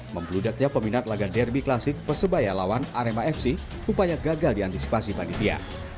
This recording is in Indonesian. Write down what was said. membludatnya peminat laga derby klasik persebaya lawan arema fc upaya gagal diantisipasi panitia